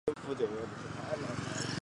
李天惠是美国数学家与企业家。